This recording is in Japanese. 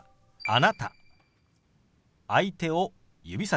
「あなた」。